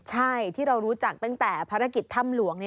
ใช่ที่เรารู้จักตั้งแต่ภารกิจถ้ำหลวง